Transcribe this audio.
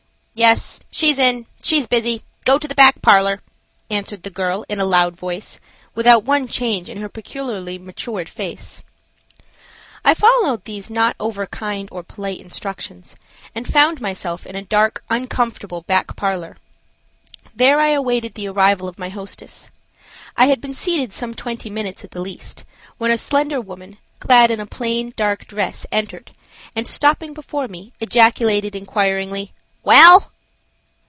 "Yes, she's in; she's busy. Go to the back parlor," answered the girl, in a loud voice, without one change in her peculiarly matured face. I followed these not overkind or polite instructions and found myself in a dark, uncomfortable back parlor. There I awaited the arrival of my hostess. I had been seated some twenty minutes at the least, when a slender woman, clad in a plain, dark dress entered and, stopping before me, ejaculated inquiringly, "Well?"